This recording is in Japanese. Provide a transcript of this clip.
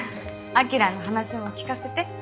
晶の話も聞かせて。